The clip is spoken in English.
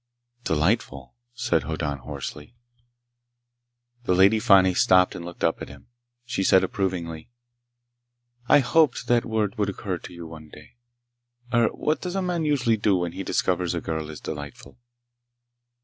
"Delightful," said Hoddan hoarsely. The Lady Fani stopped and looked up at him. She said approvingly: "I hoped that word would occur to you one day. Er ... what does a man usually do when he discovers a girl is delightful?"